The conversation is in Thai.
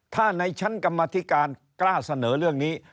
ถ้าในชั้นกรรมธิการกล้าเสนอเรื่องนี้